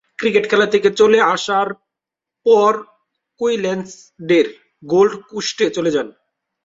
Cricket খেলা থেকে চলে আসার পর কুইন্সল্যান্ডের গোল্ড কোস্টে চলে যান।